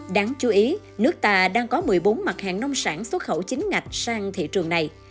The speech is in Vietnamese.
đáng chú ý nước ta đang có một mươi bốn mặt hàng nông sản xuất khẩu chính ngạch sang thị trường này